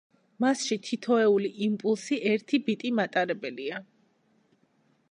მასში თითოეული იმპულსი ერთი ბიტი მატარებელია.